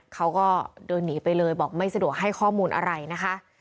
เขาก็เดินหนีไปเลยบอกไม่สะดวกให้ข้อมูลอะไรนะคะ